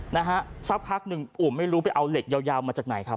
นะฮะสักพักหนึ่งอุ่มไม่รู้ไปเอาเหล็กยาวยาวมาจากไหนครับ